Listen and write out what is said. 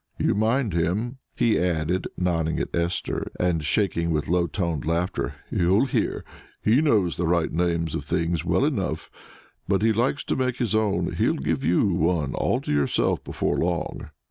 "You mind him," he added, nodding at Esther, and shaking with low toned laughter. "You'll hear: he knows the right names of things well enough, but he likes to make his own. He'll give you one all to yourself before long."